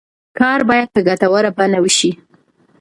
کار باید په ګټوره بڼه وشي.